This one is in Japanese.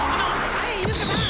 はい犬塚さん！